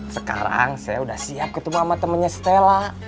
sekarang saya udah siap ketemu sama temennya stella